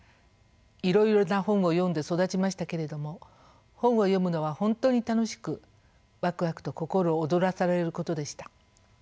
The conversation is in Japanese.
いろいろな本を読んで育ちましたけれども本を読むのは本当に楽しくわくわくと心躍らされることでした。